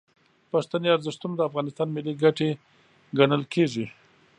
پښتني ارزښتونه د افغانستان ملي ګټې ګڼل کیږي.